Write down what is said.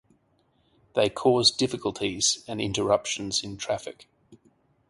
They caused difficulties and interruptions in traffic.